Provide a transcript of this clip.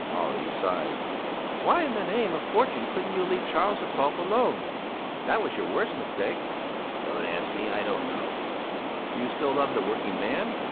Olle sighed. "Why in the name of fortune couldn't you leave Charles XII alone? That was your worst mistake." "Don't ask me! I don't know!" "Do you still love the working man?"